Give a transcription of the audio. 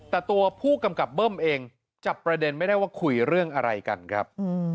แต่ตัวผู้กำกับเบิ้มเองจับประเด็นไม่ได้ว่าคุยเรื่องอะไรกันครับ